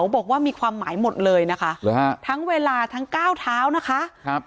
บอกว่ามีความหมายหมดเลยนะคะทั้งเวลาทั้งก้าวเท้านะคะครับ